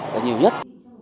đó là nhiều nhất